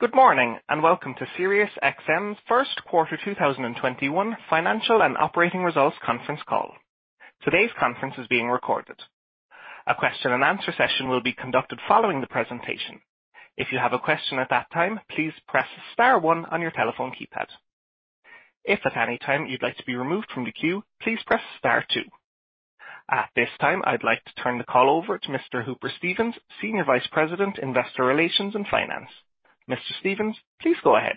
Good morning, and welcome to Sirius XM's first quarter 2021 financial and operating results conference call. Today's conference is being recorded. A question and answer session will be conducted following the presentation. If you have a question at that time, please press star one on your telephone keypad. If at any time you'd like to be removed from the queue, please press star two. At this time, I'd like to turn the call over to Mr. Hooper Stevens, Senior Vice President, Investor Relations and Finance. Mr. Stevens, please go ahead.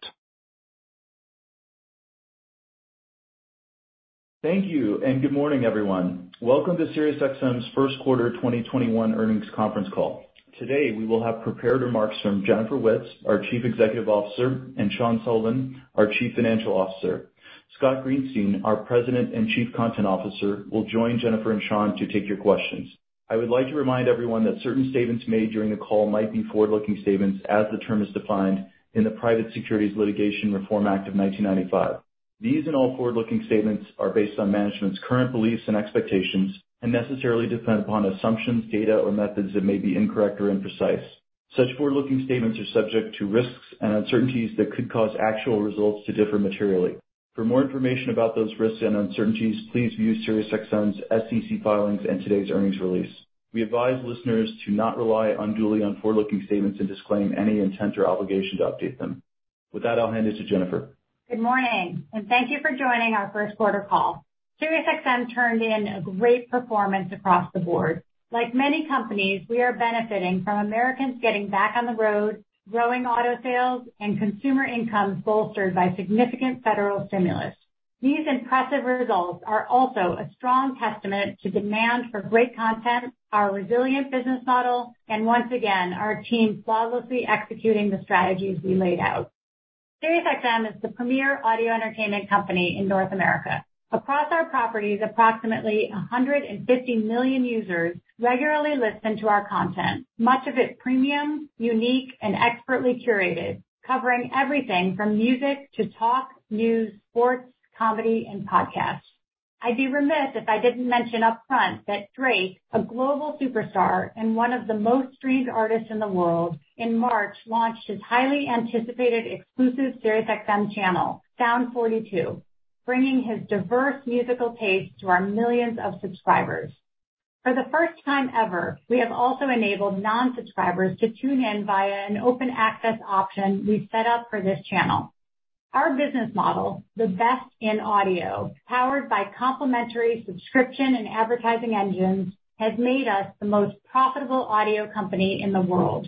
Thank you. Good morning, everyone. Welcome to Sirius XM's first quarter 2021 earnings conference call. Today, we will have prepared remarks from Jennifer Witz, our Chief Executive Officer, and Sean Sullivan, our Chief Financial Officer. Scott Greenstein, our President and Chief Content Officer, will join Jennifer and Sean to take your questions. I would like to remind everyone that certain statements made during the call might be forward-looking statements as the term is defined in the Private Securities Litigation Reform Act of 1995. These and all forward-looking statements are based on management's current beliefs and expectations and necessarily depend upon assumptions, data, or methods that may be incorrect or imprecise. Such forward-looking statements are subject to risks and uncertainties that could cause actual results to differ materially. For more information about those risks and uncertainties, please view Sirius XM's SEC filings and today's earnings release. We advise listeners to not rely unduly on forward-looking statements and disclaim any intent or obligation to update them. With that, I'll hand it to Jennifer. Good morning, and thank you for joining our first quarter call. Sirius XM turned in a great performance across the board. Like many companies, we are benefiting from Americans getting back on the road, growing auto sales, and consumer incomes bolstered by significant federal stimulus. These impressive results are also a strong testament to demand for great content, our resilient business model, and once again, our team flawlessly executing the strategies we laid out. Sirius XM is the premier audio entertainment company in North America. Across our properties, approximately 150 million users regularly listen to our content, much of it premium, unique, and expertly curated, covering everything from music to talk, news, sports, comedy, and podcasts. I'd be remiss if I didn't mention upfront that Drake, a global superstar and one of the most streamed artists in the world, in March launched his highly anticipated exclusive Sirius XM channel, Sound 42, bringing his diverse musical taste to our millions of subscribers. For the first time ever, we have also enabled non-subscribers to tune in via an open access option we've set up for this channel. Our business model, the best in audio, powered by complementary subscription and advertising engines, has made us the most profitable audio company in the world.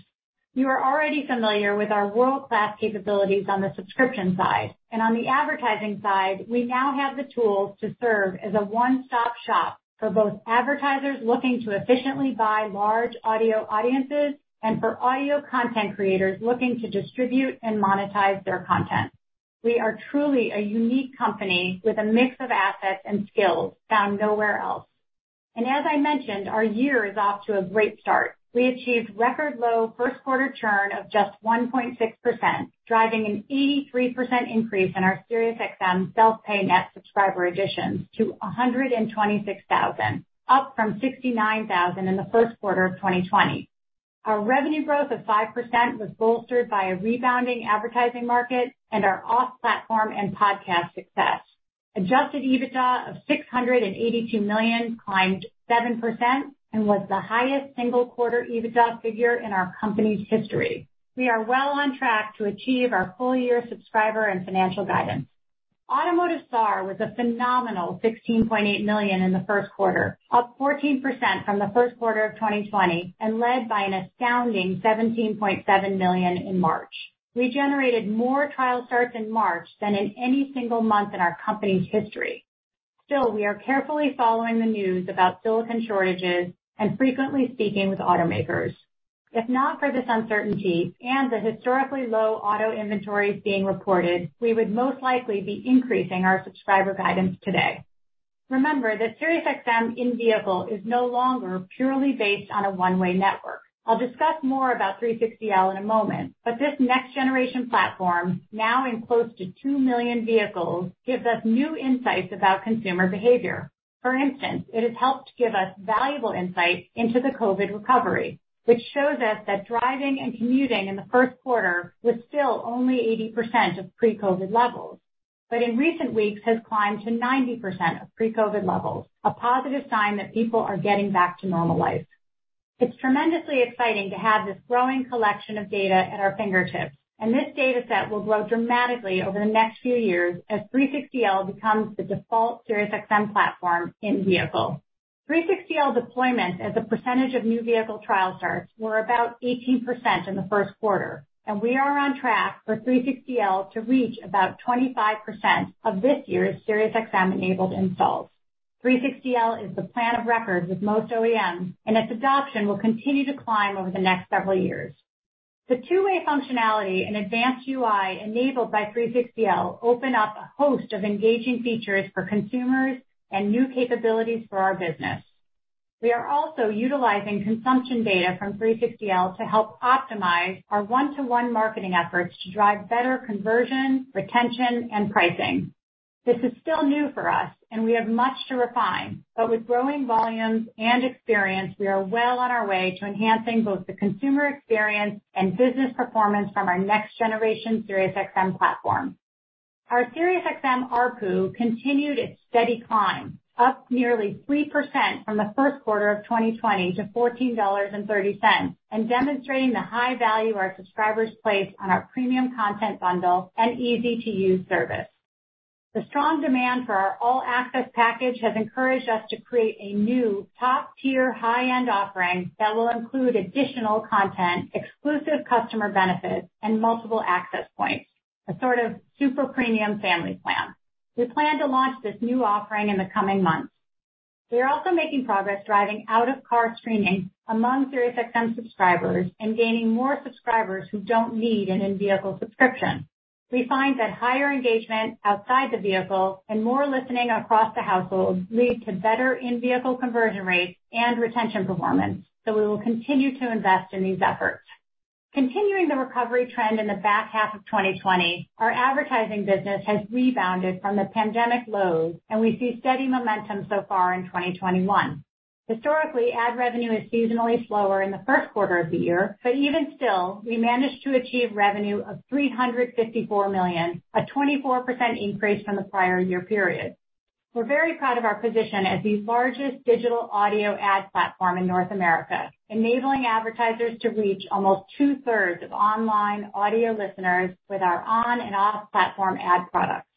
You are already familiar with our world-class capabilities on the subscription side. On the advertising side, we now have the tools to serve as a one-stop shop for both advertisers looking to efficiently buy large audio audiences and for audio content creators looking to distribute and monetize their content. We are truly a unique company with a mix of assets and skills found nowhere else. As I mentioned, our year is off to a great start. We achieved record low first quarter churn of just 1.6%, driving an 83% increase in our Sirius XM self-pay net subscriber additions to 126,000, up from 69,000 in the first quarter of 2020. Our revenue growth of 5% was bolstered by a rebounding advertising market and our off-platform and podcast success. Adjusted EBITDA of $682 million climbed 7% and was the highest single-quarter EBITDA figure in our company's history. We are well on track to achieve our full-year subscriber and financial guidance. Automotive SAAR was a phenomenal 16.8 million in the first quarter, up 14% from the first quarter of 2020, and led by an astounding 17.7 million in March. We generated more trial starts in March than in any single month in our company's history. Still, we are carefully following the news about silicon shortages and frequently speaking with automakers. If not for this uncertainty and the historically low auto inventories being reported, we would most likely be increasing our subscriber guidance today. Remember that Sirius XM in-vehicle is no longer purely based on a one-way network. I'll discuss more about 360L in a moment, this next-generation platform, now in close to 2 million vehicles, gives us new insights about consumer behavior. For instance, it has helped give us valuable insights into the COVID recovery, which shows us that driving and commuting in the first quarter was still only 80% of pre-COVID levels. In recent weeks has climbed to 90% of pre-COVID levels, a positive sign that people are getting back to normal life. It's tremendously exciting to have this growing collection of data at our fingertips, and this data set will grow dramatically over the next few years as 360L becomes the default Sirius XM platform in-vehicle. 360L deployment as a percentage of new vehicle trial starts were about 18% in the first quarter, and we are on track for 360L to reach about 25% of this year's Sirius XM-enabled installs. 360L is the plan of record with most OEMs, and its adoption will continue to climb over the next several years. The two-way functionality and advanced UI enabled by 360L open up a host of engaging features for consumers and new capabilities for our business. We are also utilizing consumption data from 360L to help optimize our one-to-one marketing efforts to drive better conversion, retention, and pricing. This is still new for us and we have much to refine, but with growing volumes and experience, we are well on our way to enhancing both the consumer experience and business performance from our next generation Sirius XM platform. Our Sirius XM ARPU continued its steady climb, up nearly 3% from the first quarter of 2020 to $14.30, and demonstrating the high value our subscribers place on our premium content bundle and easy-to-use service. The strong demand for our all-access package has encouraged us to create a new top-tier high-end offering that will include additional content, exclusive customer benefits, and multiple access points, a sort of super premium family plan. We plan to launch this new offering in the coming months. We are also making progress driving out-of-car streaming among Sirius XM subscribers and gaining more subscribers who don't need an in-vehicle subscription. We find that higher engagement outside the vehicle and more listening across the household lead to better in-vehicle conversion rates and retention performance. We will continue to invest in these efforts. Continuing the recovery trend in the back half of 2020, our advertising business has rebounded from the pandemic lows, and we see steady momentum so far in 2021. Historically, ad revenue is seasonally slower in the first quarter of the year, even still, we managed to achieve revenue of $354 million, a 24% increase from the prior year period. We're very proud of our position as the largest digital audio ad platform in North America, enabling advertisers to reach almost two-thirds of online audio listeners with our on and off platform ad products.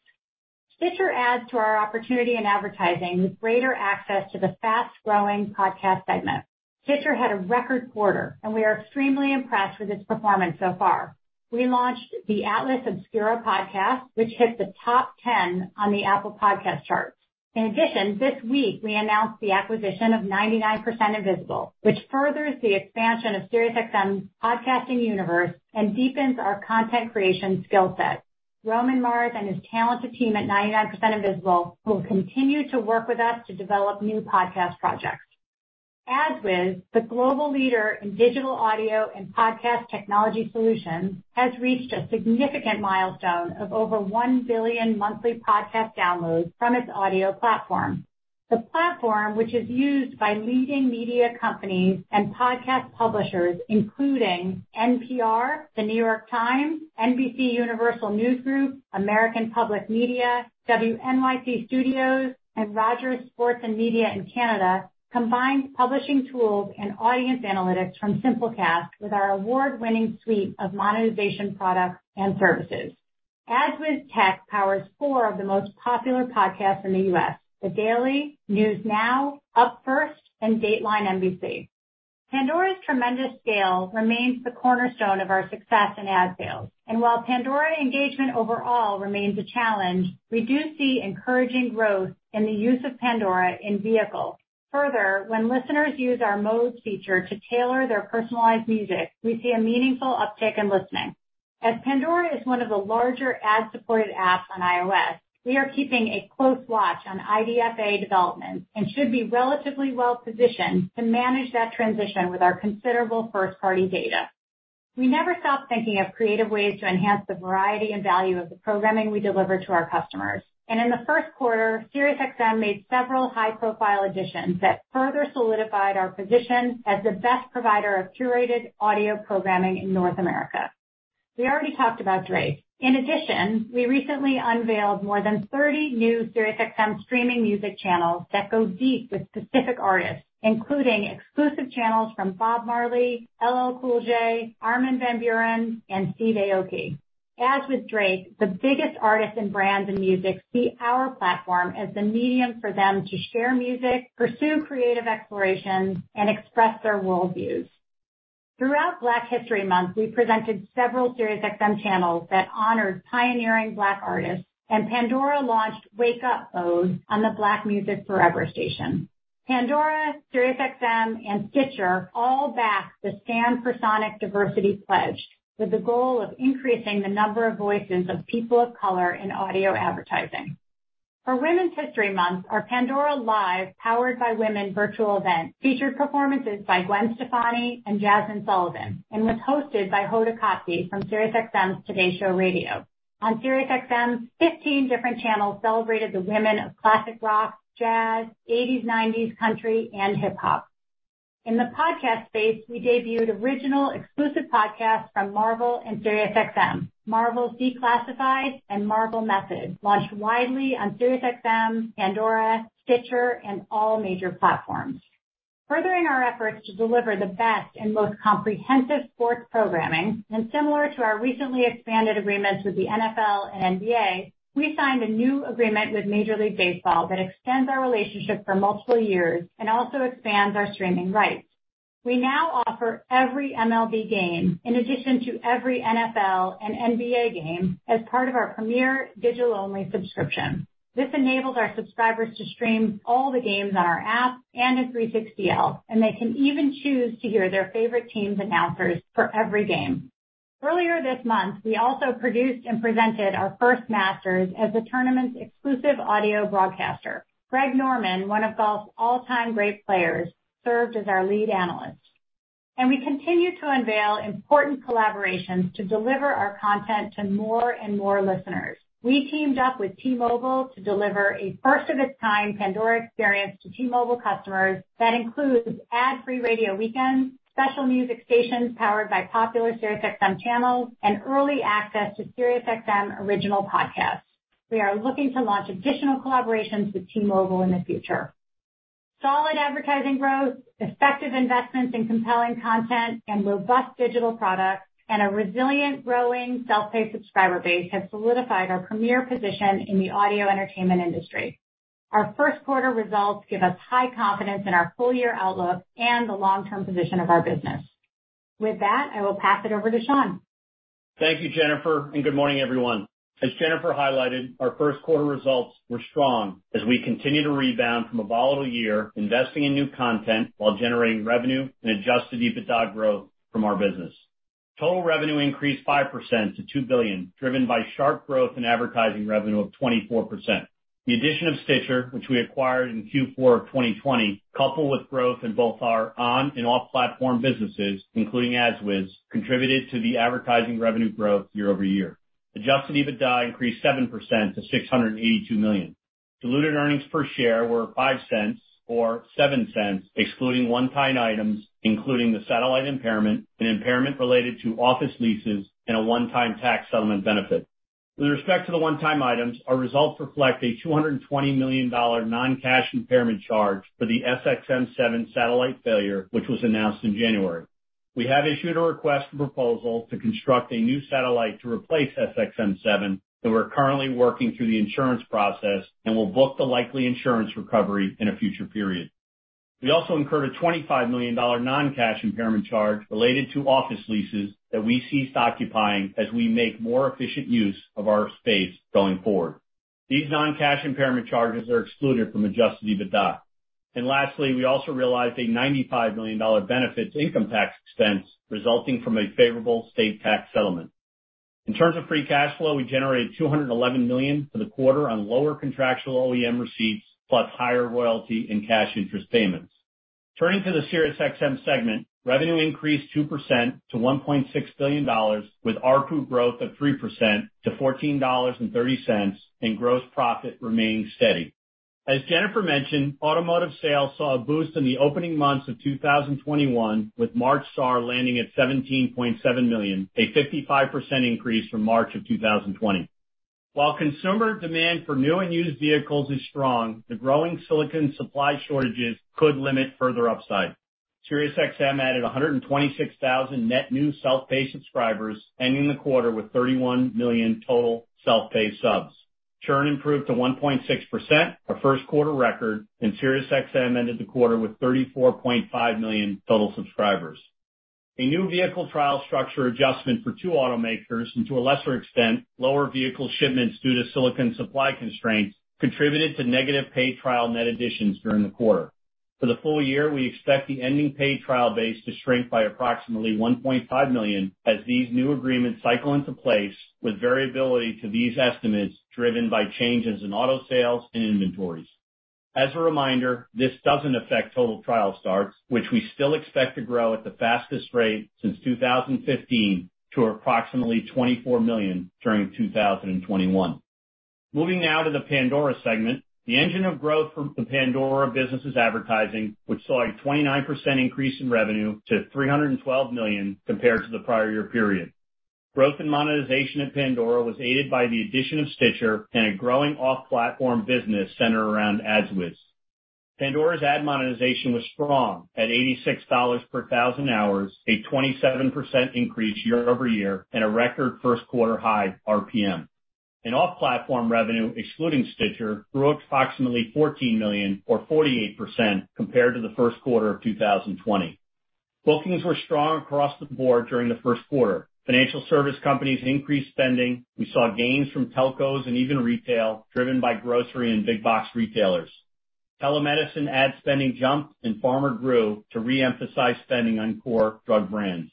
Stitcher adds to our opportunity in advertising with greater access to the fast-growing podcast segment. Stitcher had a record quarter, and we are extremely impressed with its performance so far. We launched the Atlas Obscura podcast, which hit the top 10 on the Apple Podcasts charts. In addition, this week we announced the acquisition of 99% Invisible, which furthers the expansion of Sirius XM's podcasting universe and deepens our content creation skillset. Roman Mars and his talented team at 99% Invisible will continue to work with us to develop new podcast projects. AdsWizz, the global leader in digital audio and podcast technology solutions, has reached a significant milestone of over 1 billion monthly podcast downloads from its audio platform. The platform, which is used by leading media companies and podcast publishers, including NPR, The New York Times, NBCUniversal News Group, American Public Media, WNYC Studios, and Rogers Sports & Media in Canada, combines publishing tools and audience analytics from Simplecast with our award-winning suite of monetization products and services. AdsWizz tech powers four of the most popular podcasts in the U.S., The Daily, News Now, Up First, and Dateline NBC. Pandora's tremendous scale remains the cornerstone of our success in ad sales. While Pandora engagement overall remains a challenge, we do see encouraging growth in the use of Pandora in vehicle. Further, when listeners use our modes feature to tailor their personalized music, we see a meaningful uptick in listening. As Pandora is one of the larger ad-supported apps on iOS, we are keeping a close watch on IDFA developments and should be relatively well-positioned to manage that transition with our considerable first-party data. We never stop thinking of creative ways to enhance the variety and value of the programming we deliver to our customers. In the first quarter, Sirius XM made several high-profile additions that further solidified our position as the best provider of curated audio programming in North America. We already talked about Drake. In addition, we recently unveiled more than 30 new Sirius XM streaming music channels that go deep with specific artists, including exclusive channels from Bob Marley, LL Cool J, Armin van Buuren, and Steve Aoki. As with Drake, the biggest artists and brands in music see our platform as the medium for them to share music, pursue creative explorations, and express their worldviews. Throughout Black History Month, we presented several Sirius XM channels that honored pioneering Black artists. Pandora launched Wake Up! mode on the Black Music Forever station. Pandora, Sirius XM, and Stitcher all back the Stand for Sonic Diversity pledge, with the goal of increasing the number of voices of people of color in audio advertising. For Women's History Month, our Pandora LIVE Powered By Women virtual event featured performances by Gwen Stefani and Jazmine Sullivan and was hosted by Hoda Kotb from Sirius XM's TODAY Show Radio. On Sirius XM, 15 different channels celebrated the women of classic rock, jazz, '80s, '90s, country, and hip-hop. In the podcast space, we debuted original exclusive podcasts from Marvel and Sirius XM. Marvel's Declassified and Marvel/Method launched widely on Sirius XM, Pandora, Stitcher, and all major platforms. Furthering our efforts to deliver the best and most comprehensive sports programming, and similar to our recently expanded agreements with the NFL and NBA, we signed a new agreement with Major League Baseball that extends our relationship for multiple years and also expands our streaming rights. We now offer every MLB game in addition to every NFL and NBA game as part of our premier digital-only subscription. This enables our subscribers to stream all the games on our app and at 360L, and they can even choose to hear their favorite team's announcers for every game. Earlier this month, we also produced and presented our first Masters as the tournament's exclusive audio broadcaster. Greg Norman, one of golf's all-time great players, served as our lead analyst. We continue to unveil important collaborations to deliver our content to more and more listeners. We teamed up with T-Mobile to deliver a first-of-its-kind Pandora experience to T-Mobile customers that includes ad-free radio weekends, special music stations powered by popular Sirius XM channels, and early access to Sirius XM original podcasts. We are looking to launch additional collaborations with T-Mobile in the future. Solid advertising growth, effective investments in compelling content and robust digital products, and a resilient growing self-pay subscriber base have solidified our premier position in the audio entertainment industry. Our first quarter results give us high confidence in our full-year outlook and the long-term position of our business. With that, I will pass it over to Sean. Thank you, Jennifer, good morning, everyone. As Jennifer highlighted, our first quarter results were strong as we continue to rebound from a volatile year, investing in new content while generating revenue and adjusted EBITDA growth from our business. Total revenue increased 5% to $2 billion, driven by sharp growth in advertising revenue of 24%. The addition of Stitcher, which we acquired in Q4 of 2020, coupled with growth in both our on and off platform businesses, including AdsWizz, contributed to the advertising revenue growth year-over-year. Adjusted EBITDA increased 7% to $682 million. Diluted earnings per share were $0.05 or $0.07, excluding one-time items, including the satellite impairment, an impairment related to office leases, and a one-time tax settlement benefit. With respect to the one-time items, our results reflect a $220 million non-cash impairment charge for the SXM-7 satellite failure, which was announced in January. We have issued a request for proposal to construct a new satellite to replace SXM-7, and we're currently working through the insurance process and will book the likely insurance recovery in a future period. We also incurred a $25 million non-cash impairment charge related to office leases that we ceased occupying as we make more efficient use of our space going forward. These non-cash impairment charges are excluded from adjusted EBITDA. Lastly, we also realized a $95 million benefits income tax expense resulting from a favorable state tax settlement. In terms of free cash flow, we generated $211 million for the quarter on lower contractual OEM receipts plus higher royalty and cash interest payments. Turning to the Sirius XM segment, revenue increased 2% to $1.6 billion, with ARPU growth of 3% to $14.30, and gross profit remained steady. As Jennifer mentioned, automotive sales saw a boost in the opening months of 2021, with March SAAR landing at 17.7 million, a 55% increase from March of 2020. While consumer demand for new and used vehicles is strong, the growing silicon supply shortages could limit further upside. Sirius XM added 126,000 net new self-pay subscribers, ending the quarter with 31 million total self-pay subs. Churn improved to 1.6%, a first quarter record, and Sirius XM ended the quarter with 34.5 million total subscribers. A new vehicle trial structure adjustment for two automakers, and to a lesser extent, lower vehicle shipments due to silicon supply constraints contributed to negative paid trial net additions during the quarter. For the full year, we expect the ending paid trial base to shrink by approximately 1.5 million as these new agreements cycle into place, with variability to these estimates driven by changes in auto sales and inventories. As a reminder, this doesn't affect total trial starts, which we still expect to grow at the fastest rate since 2015 to approximately 24 million during 2021. Moving now to the Pandora segment. The engine of growth for the Pandora business is advertising, which saw a 29% increase in revenue to $312 million compared to the prior year period. Growth and monetization at Pandora was aided by the addition of Stitcher and a growing off-platform business centered around AdsWizz. Pandora's ad monetization was strong at $86 per thousand hours, a 27% increase year-over-year and a record first quarter high RPM. Off-platform revenue, excluding Stitcher, grew approximately $14 million or 48% compared to the first quarter of 2020. Bookings were strong across the board during the first quarter. Financial service companies increased spending. We saw gains from telcos and even retail, driven by grocery and big box retailers. Telemedicine ad spending jumped and pharma grew to reemphasize spending on core drug brands.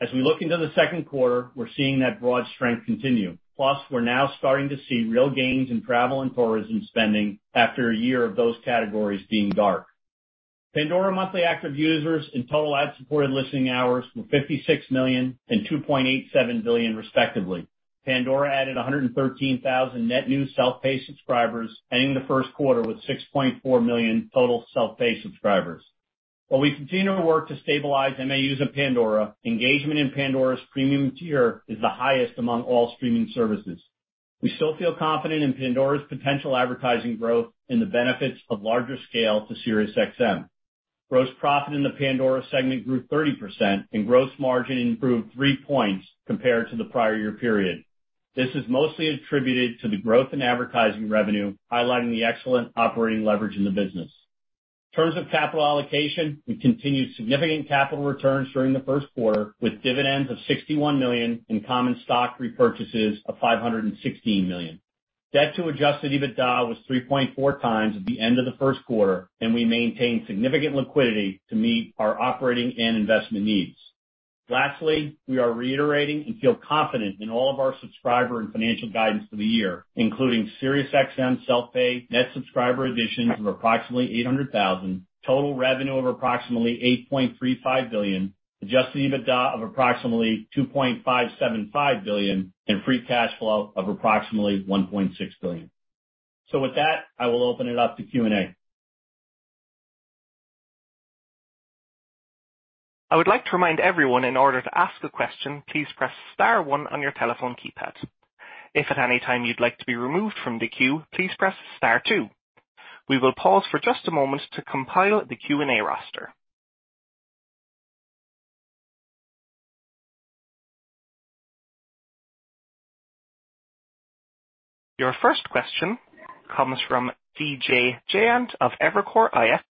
As we look into the second quarter, we're seeing that broad strength continue. We're now starting to see real gains in travel and tourism spending after a year of those categories being dark. Pandora monthly active users and total ad-supported listening hours were 56 million and 2.87 billion, respectively. Pandora added 113,000 net new self-pay subscribers, ending the first quarter with 6.4 million total self-pay subscribers. While we continue to work to stabilize MAUs of Pandora, engagement in Pandora's premium tier is the highest among all streaming services. We still feel confident in Pandora's potential advertising growth and the benefits of larger scale to Sirius XM. Gross profit in the Pandora segment grew 30%, and gross margin improved three points compared to the prior year period. This is mostly attributed to the growth in advertising revenue, highlighting the excellent operating leverage in the business. In terms of capital allocation, we continued significant capital returns during the first quarter with dividends of $61 million and common stock repurchases of $516 million. Debt to adjusted EBITDA was 3.4x at the end of the first quarter, and we maintained significant liquidity to meet our operating and investment needs. Lastly, we are reiterating and feel confident in all of our subscriber and financial guidance for the year, including Sirius XM self-pay net subscriber additions of approximately 800,000, total revenue of approximately $8.35 billion, adjusted EBITDA of approximately $2.575 billion, and free cash flow of approximately $1.6 billion. With that, I will open it up to Q&A. I would like to remind everyone in order to ask a question, please press star one on your telephone keypad. If at any time you'd like to be removed from the queue please press star two. We will pause for just a moment to compile the Q&A roster. Your first question comes from Vijay Jayant of Evercore ISI.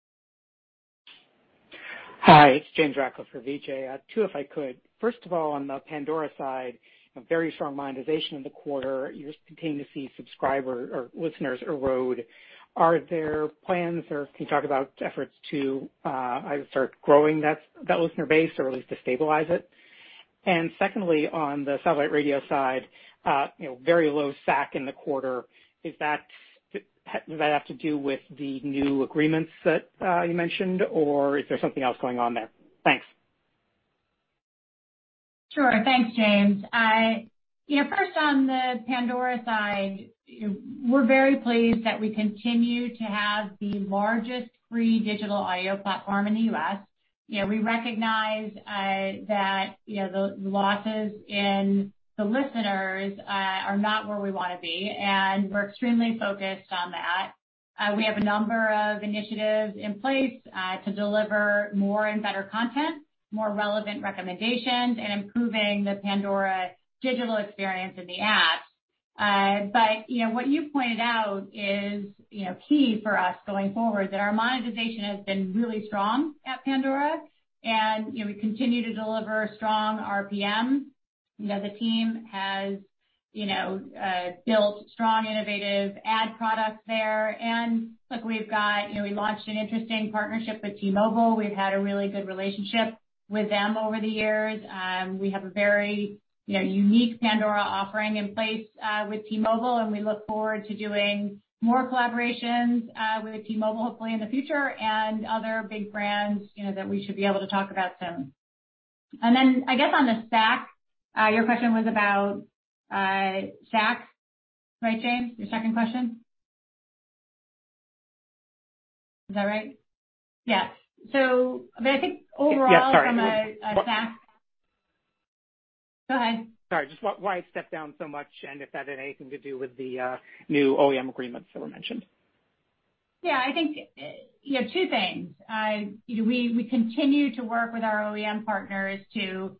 Hi, it's James Ratcliffe for Vijay. Two, if I could. First of all, on the Pandora side, a very strong monetization in the quarter. You continue to see subscribers or listeners erode. Are there plans, or can you talk about efforts to either start growing that listener base or at least to stabilize it? Secondly, on the satellite radio side, very low SAC in the quarter. Does that have to do with the new agreements that you mentioned, or is there something else going on there? Thanks. Sure. Thanks, James. First, on the Pandora side, we're very pleased that we continue to have the largest free digital audio platform in the U.S. We recognize that the losses in the listeners are not where we want to be, and we're extremely focused on that. We have a number of initiatives in place to deliver more and better content, more relevant recommendations, and improving the Pandora digital experience in the app. What you pointed out is key for us going forward, that our monetization has been really strong at Pandora and we continue to deliver strong RPM. The team has built strong, innovative ad products there. Look, we launched an interesting partnership with T-Mobile. We've had a really good relationship with them over the years. We have a very unique Pandora offering in place with T-Mobile, we look forward to doing more collaborations with T-Mobile, hopefully in the future, and other big brands that we should be able to talk about soon. I guess on the SAC, your question was about SACs, right, James? Your second question? Is that right? Yes. I think overall from a SAC-. Yes, sorry. Go ahead. Sorry, just why it stepped down so much and if that had anything to do with the new OEM agreements that were mentioned. Yeah, I think two things. We continue to work with our OEM partners to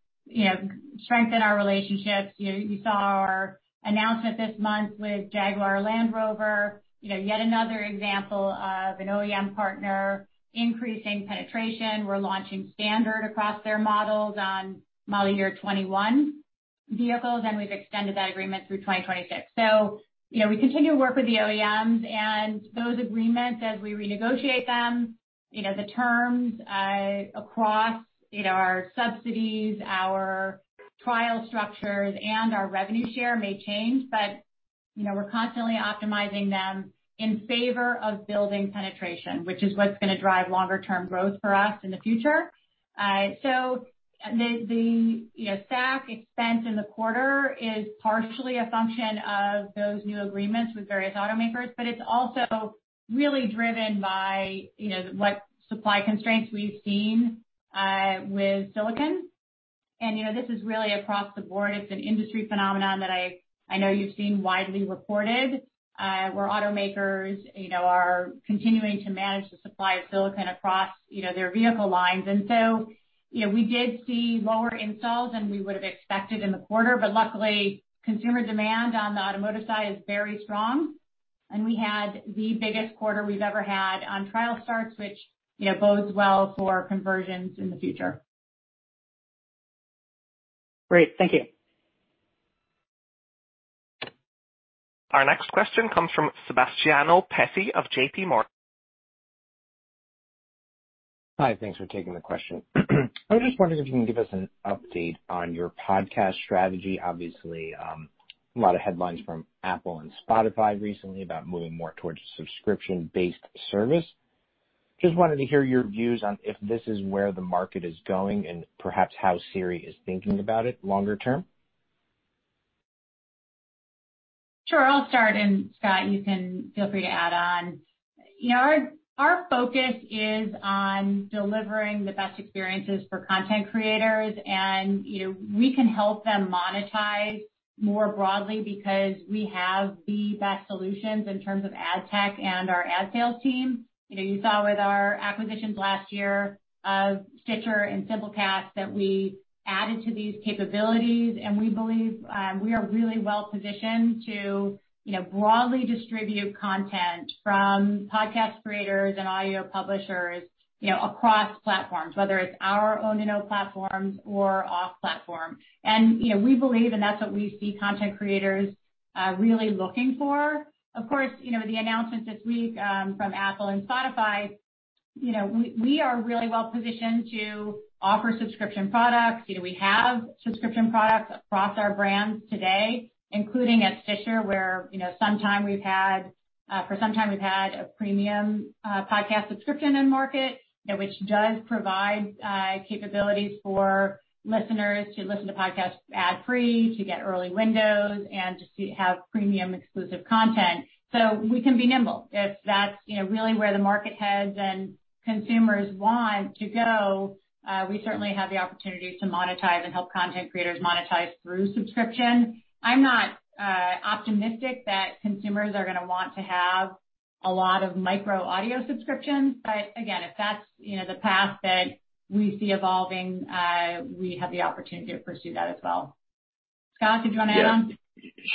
strengthen our relationships. You saw our announcement this month with Jaguar Land Rover, yet another example of an OEM partner increasing penetration. We're launching standard across their models on model year 2021 vehicles, and we've extended that agreement through 2026. We continue to work with the OEMs and those agreements as we renegotiate them. The terms across our subsidies, our trial structures, and our revenue share may change, but we're constantly optimizing them in favor of building penetration, which is what's going to drive longer term growth for us in the future. The SAC expense in the quarter is partially a function of those new agreements with various automakers, but it's also really driven by what supply constraints we've seen with silicon. This is really across the board. It's an industry phenomenon that I know you've seen widely reported, where automakers are continuing to manage the supply of silicon across their vehicle lines. We did see lower installs than we would have expected in the quarter, but luckily, consumer demand on the automotive side is very strong, and we had the biggest quarter we've ever had on trial starts, which bodes well for conversions in the future. Great. Thank you. Our next question comes from Sebastiano Petti of JPMorgan. Hi, thanks for taking the question. I was just wondering if you can give us an update on your podcast strategy. Obviously, a lot of headlines from Apple and Spotify recently about moving more towards a subscription-based service. Just wanted to hear your views on if this is where the market is going and perhaps how Sirius is thinking about it longer term. Sure. I'll start, Scott, you can feel free to add on. Our focus is on delivering the best experiences for content creators, and we can help them monetize more broadly because we have the best solutions in terms of ad tech and our ad sales team. You saw with our acquisitions last year of Stitcher and Simplecast that we added to these capabilities, and we believe we are really well positioned to broadly distribute content from podcast creators and audio publishers across platforms, whether it's our own platforms or off platform. We believe, and that's what we see content creators really looking for. Of course, the announcement this week from Apple and Spotify. We are really well positioned to offer subscription products. We have subscription products across our brands today, including at Stitcher, where for some time we've had a premium podcast subscription in market, which does provide capabilities for listeners to listen to podcasts ad free, to get early windows, and to have premium exclusive content. We can be nimble. If that's really where the market heads and consumers want to go, we certainly have the opportunity to monetize and help content creators monetize through subscription. I'm not optimistic that consumers are going to want to have a lot of micro audio subscriptions, but again, if that's the path that we see evolving, we have the opportunity to pursue that as well. Scott, did you want to add on?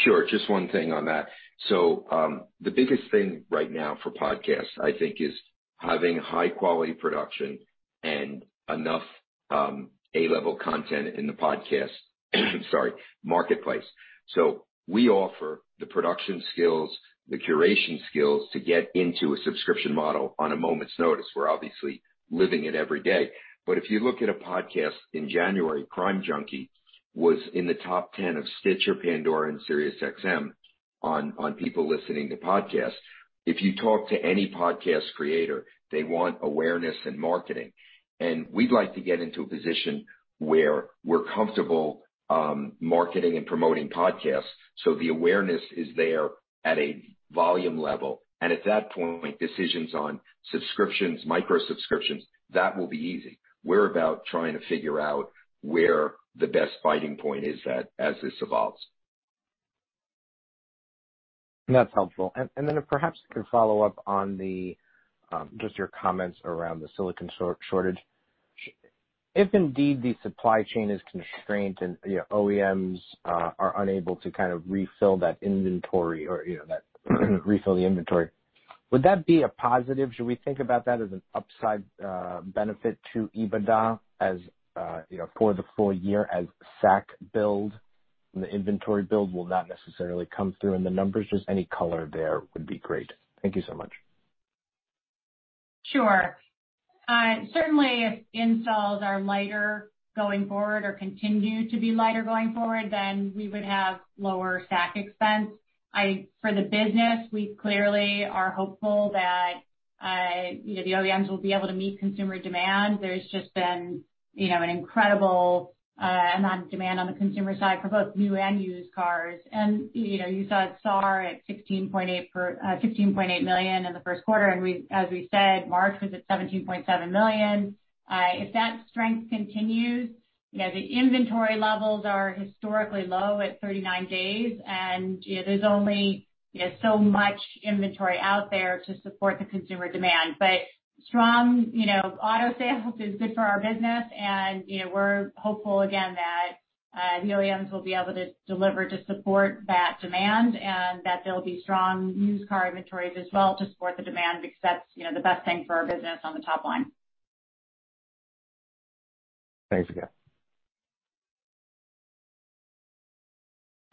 Sure. Just one thing on that. The biggest thing right now for podcasts, I think, is having high-quality production and enough A-level content in the podcast marketplace. We offer the production skills, the curation skills to get into a subscription model on a moment's notice. We're obviously living it every day. If you look at a podcast in January, Crime Junkie was in the top 10 of Stitcher, Pandora, and Sirius XM on people listening to podcasts. If you talk to any podcast creator, they want awareness and marketing. We'd like to get into a position where we're comfortable marketing and promoting podcasts, so the awareness is there at a volume level. At that point, decisions on subscriptions, micro subscriptions, that will be easy. We're about trying to figure out where the best price point is at as this evolves. That's helpful. Then if perhaps you could follow up on just your comments around the silicon shortage. If indeed the supply chain is constrained and OEMs are unable to refill the inventory, would that be a positive? Should we think about that as an upside benefit to EBITDA for the full year, as SAC build and the inventory build will not necessarily come through in the numbers? Just any color there would be great. Thank you so much. Sure. Certainly, if installs are lighter going forward or continue to be lighter going forward, then we would have lower SAC expense. For the business, we clearly are hopeful that the OEMs will be able to meet consumer demand. There's just been an incredible amount of demand on the consumer side for both new and used cars. You saw it start at 16.8 million in the first quarter, and as we said, March was at 17.7 million. If that strength continues, the inventory levels are historically low at 39 days, and there's only so much inventory out there to support the consumer demand. Strong auto sales is good for our business, and we're hopeful again that the OEMs will be able to deliver to support that demand and that there'll be strong used car inventories as well to support the demand because that's the best thing for our business on the top line. Thanks again.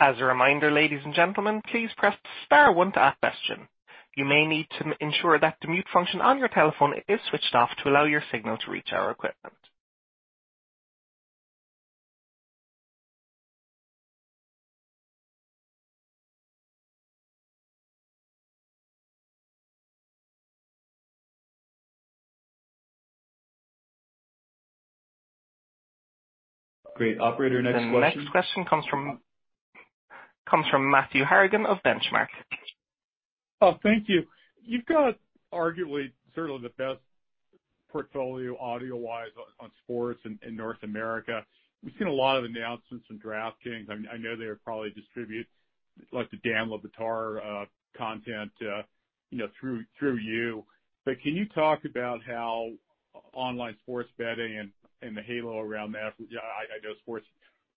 As a reminder, ladies and gentlemen, please press star one to ask question. You may need to ensure that the mute function on your telephone is switched off to allow your signal to reach our equipment. Great. Operator, next question. The next question comes from Matthew Harrigan of Benchmark. Oh, thank you. You've got arguably certainly the best portfolio audio-wise on sports in North America. We've seen a lot of announcements from DraftKings. I know they probably distribute like the Dan Le Batard content through you. Can you talk about how online sports betting and the halo around that, I know sports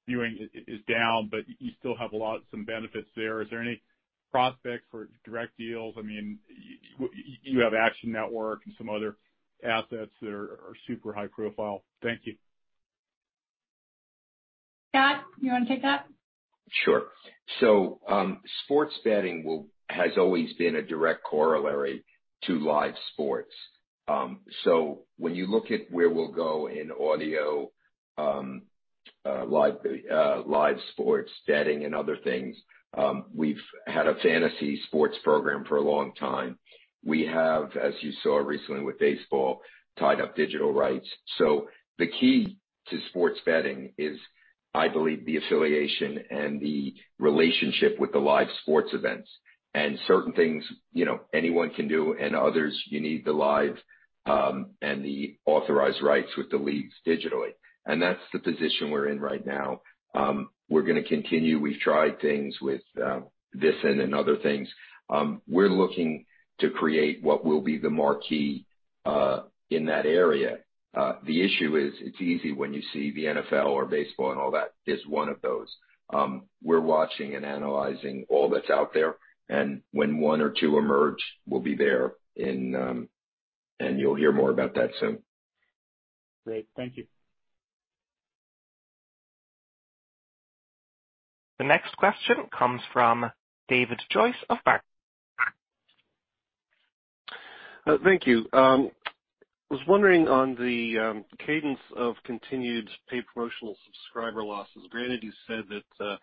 viewing is down, but you still have some benefits there. Is there any prospect for direct deals? You have Action Network and some other assets that are super high profile. Thank you. Scott, you want to take that? Sure. Sports betting has always been a direct corollary to live sports. When you look at where we'll go in audio, live sports betting, and other things, we've had a fantasy sports program for a long time. We have, as you saw recently with Baseball, tied up digital rights. The key to sports betting is, I believe, the affiliation and the relationship with the live sports events. Certain things anyone can do, and others you need the live and the authorized rights with the leagues digitally. That's the position we're in right now. We're going to continue. We've tried things with VSiN and other things. We're looking to create what will be the marquee in that area. The issue is it's easy when you see the NFL or Baseball and all that is one of those. We're watching and analyzing all that's out there. When one or two emerge, we'll be there. You'll hear more about that soon. Great. Thank you. The next question comes from David Joyce of Barclays. Thank you. I was wondering on the cadence of continued paid promotional subscriber losses. Granted, you said that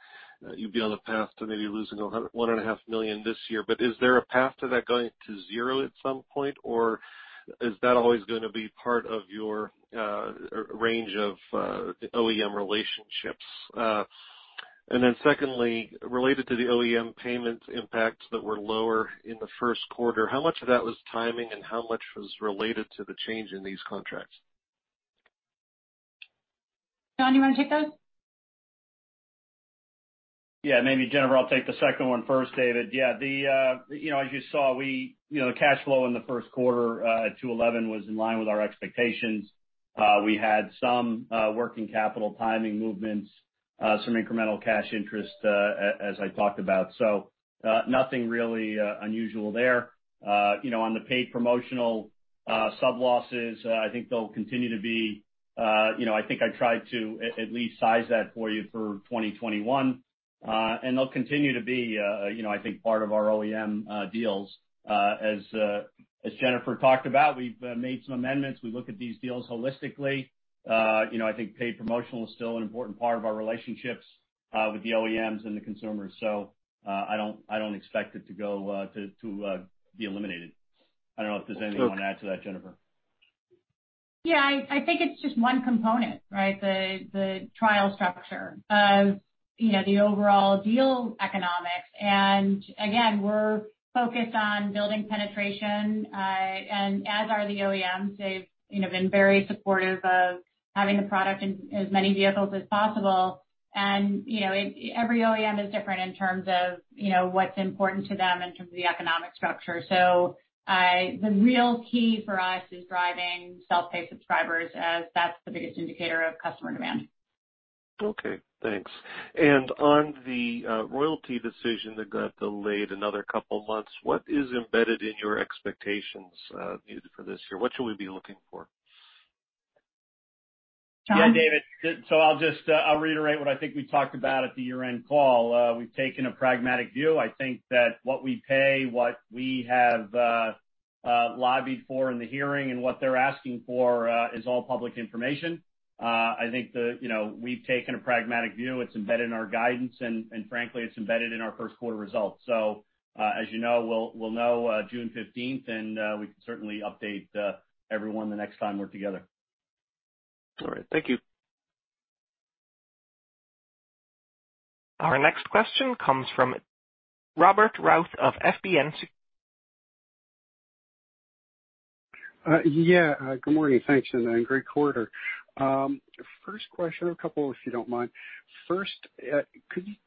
you'd be on the path to maybe losing one and a half million this year, is there a path to that going to zero at some point, or is that always going to be part of your range of OEM relationships? Secondly, related to the OEM payments impacts that were lower in the first quarter, how much of that was timing and how much was related to the change in these contracts? Sean, you want to take those? Yeah. Maybe, Jennifer, I'll take the second one first, David. Yeah. You saw, the cash flow in the first quarter at $211 was in line with our expectations. We had some working capital timing movements, some incremental cash interest, as I talked about. Nothing really unusual there. On the paid promotional sub losses, I think they'll continue to be I tried to at least size that for you for 2021. They'll continue to be, I think, part of our OEM deals. Jennifer talked about, we've made some amendments. We look at these deals holistically. I think paid promotional is still an important part of our relationships with the OEMs and the consumers. I don't expect it to be eliminated. I don't know if there's anything you want to add to that, Jennifer. I think it's just one component, right? The trial structure of the overall deal economics, and again, we're focused on building penetration, and as are the OEMs. They've been very supportive of having the product in as many vehicles as possible. Every OEM is different in terms of what's important to them in terms of the economic structure. The real key for us is driving self-pay subscribers as that's the biggest indicator of customer demand. Okay, thanks. On the royalty decision that got delayed another couple of months, what is embedded in your expectations needed for this year? What should we be looking for? Sean? Yeah, David. I'll reiterate what I think we talked about at the year-end call. We've taken a pragmatic view. I think that what we pay, what we have lobbied for in the hearing and what they're asking for is all public information. I think we've taken a pragmatic view. It's embedded in our guidance, and frankly, it's embedded in our first quarter results. As you know, we'll know June 15th, and we can certainly update everyone the next time we're together. All right. Thank you. Our next question comes from Robert Routh of FBN. Good morning. Thanks. Great quarter. First question, a couple if you don't mind. First, there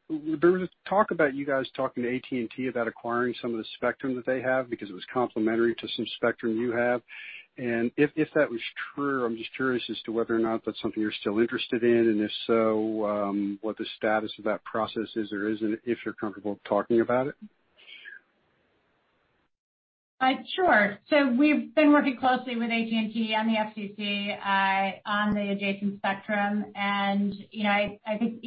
was talk about you guys talking to AT&T about acquiring some of the spectrum that they have because it was complementary to some spectrum you have. If that was true, I'm just curious as to whether or not that's something you're still interested in, and if so, what the status of that process is or isn't, if you're comfortable talking about it? Sure. We've been working closely with AT&T on the FCC on the adjacent spectrum, and I think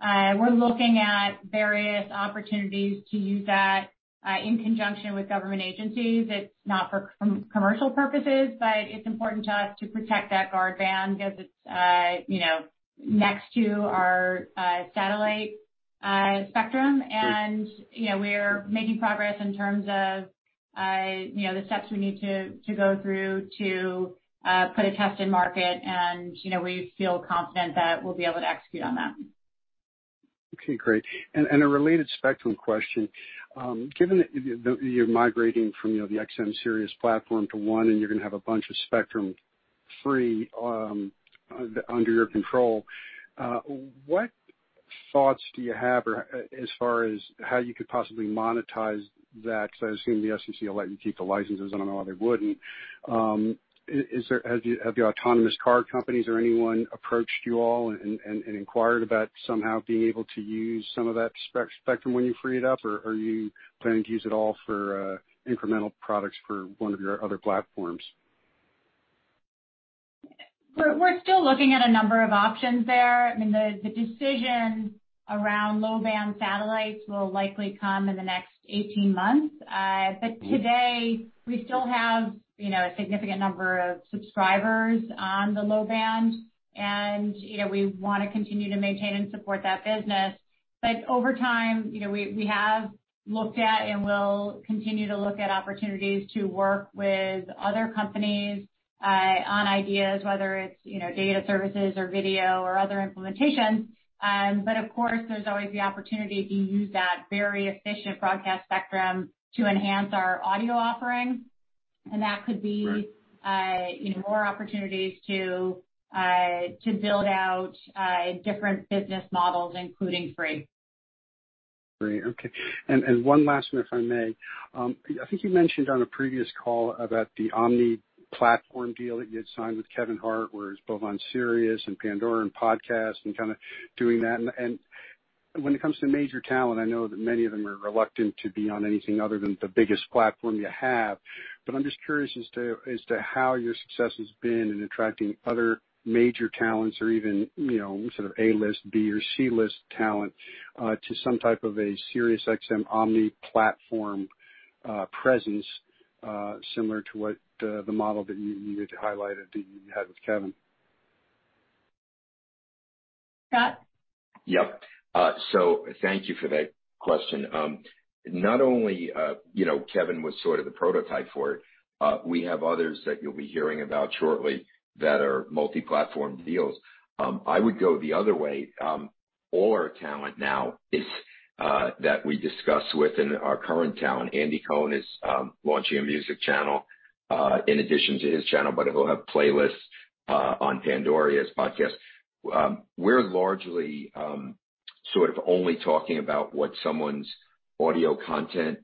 we're looking at various opportunities to use that in conjunction with government agencies. It's not for commercial purposes, but it's important to us to protect that guard band because it's next to our satellite spectrum. We're making progress in terms of the steps we need to go through to put a test in market. We feel confident that we'll be able to execute on that. Okay, great. A related spectrum question. Given that you're migrating from the XM Sirius platform to one, and you're going to have a bunch of spectrum free under your control, what thoughts do you have as far as how you could possibly monetize that? I assume the FCC will let you keep the licenses. I don't know why they wouldn't. Have the autonomous car companies or anyone approached you all and inquired about somehow being able to use some of that spectrum when you free it up, or are you planning to use it all for incremental products for one of your other platforms? We're still looking at a number of options there. I mean, the decision around low-band satellites will likely come in the next 18 months. Today, we still have a significant number of subscribers on the low band, and we want to continue to maintain and support that business. Over time, we have looked at and will continue to look at opportunities to work with other companies on ideas, whether it's data services or video or other implementations. Of course, there's always the opportunity to use that very efficient broadcast spectrum to enhance our audio offerings. That could be more opportunities to build out different business models, including free. Great. Okay. One last one, if I may. I think you mentioned on a previous call about the Omni platform deal that you had signed with Kevin Hart, where it's both on Sirius and Pandora and podcast and kind of doing that. When it comes to major talent, I know that many of them are reluctant to be on anything other than the biggest platform you have. I'm just curious as to how your success has been in attracting other major talents or even sort of A-list, B or C-list talent, to some type of a Sirius XM omni-platform presence, similar to what the model that you had highlighted that you had with Kevin. Scott? Yep. Thank you for that question. Not only Kevin was sort of the prototype for it, we have others that you'll be hearing about shortly that are multi-platform deals. I would go the other way. All our talent now is, that we discuss with and our current talent, Andy Cohen, is launching a music channel, in addition to his channel, but it'll have playlists on Pandora as podcasts. We're largely sort of only talking about what someone's audio content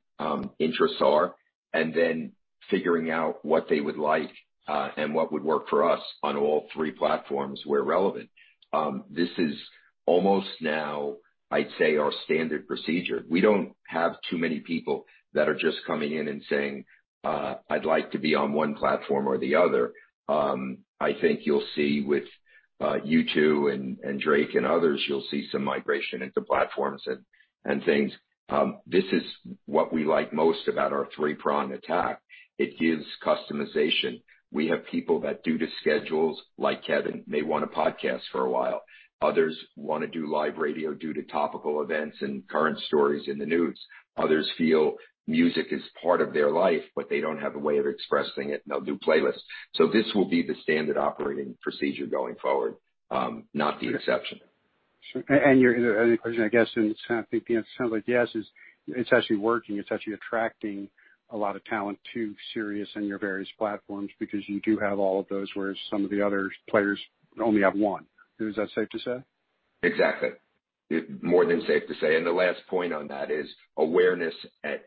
interests are and then figuring out what they would like, and what would work for us on all three platforms where relevant. This is almost now, I'd say, our standard procedure. We don't have too many people that are just coming in and saying, I'd like to be on one platform or the other. I think you'll see with U2 and Drake and others, you'll see some migration into platforms and things. This is what we like most about our three-pronged attack. It gives customization. We have people that, due to schedules, like Kevin Hart, may want to podcast for a while. Others want to do live radio due to topical events and current stories in the news. Others feel music is part of their life, but they don't have a way of expressing it, and they'll do playlists. This will be the standard operating procedure going forward, not the exception. Your other question, I guess, and it sounds like the answer's yes, is it's actually working. It's actually attracting a lot of talent to Sirius and your various platforms because you do have all of those, whereas some of the other players only have one. Is that safe to say? Exactly. More than safe to say. The last point on that is awareness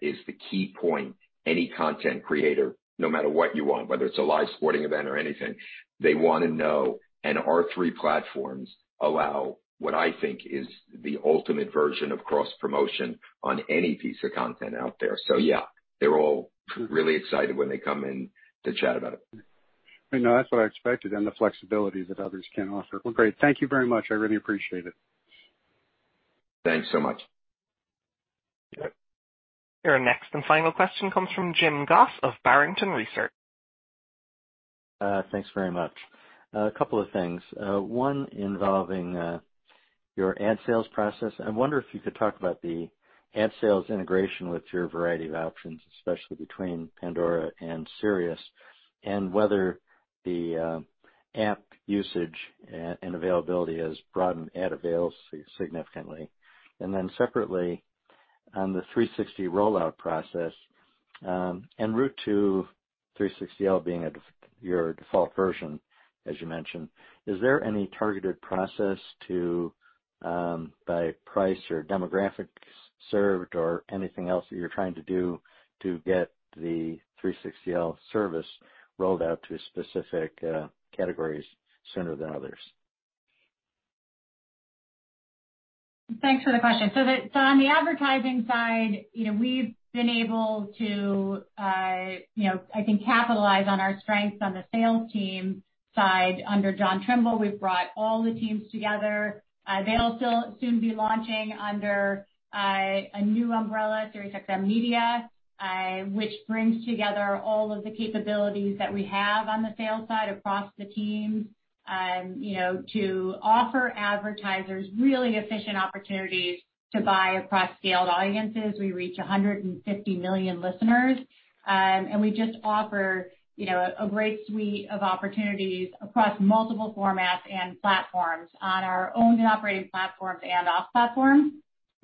is the key point. Any content creator, no matter what you own, whether it's a live sporting event or anything, they want to know, and our three platforms allow what I think is the ultimate version of cross-promotion on any piece of content out there. Yeah, they're all really excited when they come in to chat about it. No, that's what I expected, and the flexibility that others can't offer. Well, great. Thank you very much. I really appreciate it. Thanks so much. Yep. Your next and final question comes from Jim Goss of Barrington Research. Thanks very much. A couple of things. One involving your ad sales process. I wonder if you could talk about the ad sales integration with your variety of options, especially between Pandora and Sirius, and whether the app usage and availability has broadened ad avails significantly. Separately, on the 360 rollout process, en route to 360L being your default version, as you mentioned, is there any targeted process to, by price or demographics served or anything else that you're trying to do to get the 360L service rolled out to specific categories sooner than others? Thanks for the question. On the advertising side, we've been able to I think capitalize on our strengths on the sales team side. Under John Trimble, we've brought all the teams together. They'll soon be launching under a new umbrella, SXM Media, which brings together all of the capabilities that we have on the sales side across the teams to offer advertisers really efficient opportunities to buy across scaled audiences. We reach 150 million listeners. We just offer a great suite of opportunities across multiple formats and platforms on our owned and operated platforms and off platforms.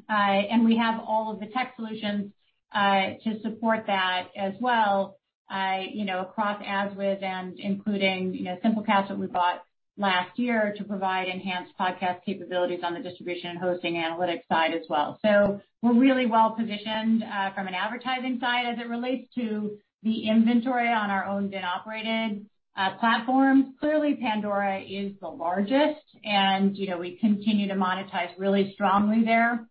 We have all of the tech solutions to support that as well, across AdsWizz and including Simplecast, that we bought last year to provide enhanced podcast capabilities on the distribution and hosting analytics side as well. We're really well-positioned from an advertising side as it relates to the inventory on our owned and operated platforms. Clearly, Pandora is the largest, and we continue to monetize really strongly there.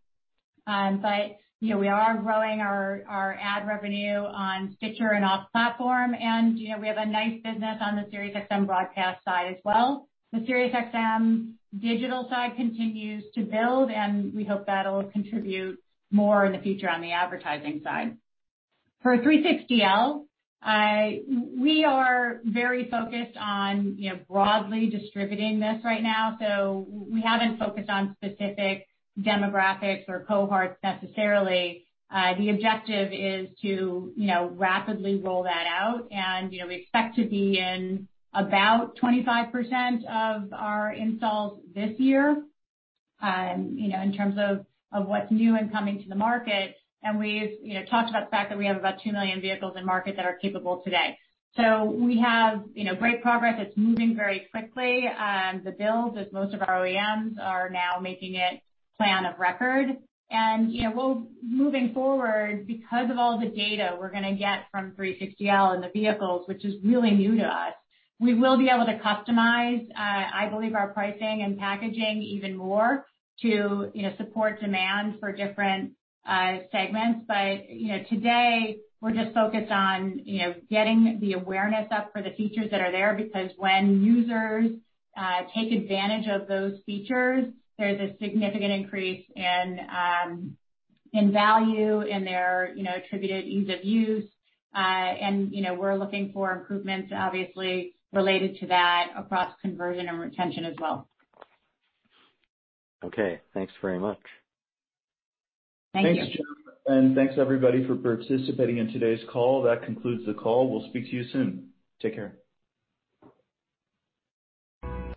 We are growing our ad revenue on Stitcher and off platform, and we have a nice business on the Sirius XM broadcast side as well. The Sirius XM digital side continues to build, and we hope that'll contribute more in the future on the advertising side. 360L, we are very focused on broadly distributing this right now, so we haven't focused on specific demographics or cohorts necessarily. The objective is to rapidly roll that out, and we expect to be in about 25% of our installs this year in terms of what's new and coming to the market. We've talked about the fact that we have about 2 million vehicles in market that are capable today. We have great progress. It's moving very quickly. The builds with most of our OEMs are now making it plan of record. Moving forward, because of all the data we're going to get from 360L in the vehicles, which is really new to us, we will be able to customize, I believe, our pricing and packaging even more to support demand for different segments. Today, we're just focused on getting the awareness up for the features that are there, because when users take advantage of those features, there's a significant increase in value, in their attributed ease of use. We're looking for improvements, obviously, related to that across conversion and retention as well. Okay. Thanks very much. Thank you. Thanks, Jim, and thanks, everybody, for participating in today's call. That concludes the call. We'll speak to you soon. Take care.